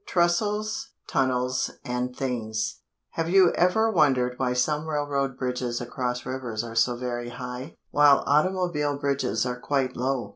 TRESTLES, TUNNELS AND THINGS Have you ever wondered why some railroad bridges across rivers are so very high, while automobile bridges are quite low?